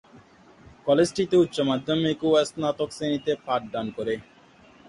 কলেজটিতে উচ্চ মাধ্যমিক ও স্নাতক শ্রেণীতে পাঠদান করে।